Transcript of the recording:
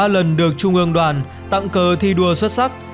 ba lần được trung ương đoàn tặng cờ thi đua xuất sắc